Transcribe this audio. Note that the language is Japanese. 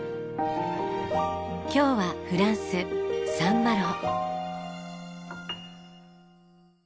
今日はフランスサンマロ。